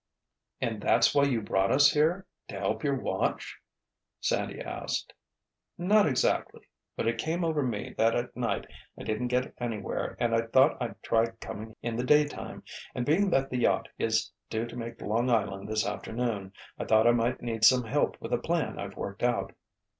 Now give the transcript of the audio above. "And that's why you brought us here—to help you watch?" Sandy asked. "Not exactly. But it came over me that at night I didn't get anywhere and I thought I'd try coming in the daytime—and being that the yacht is due to make Long Island this afternoon, I thought I might need some help with a plan I've worked out."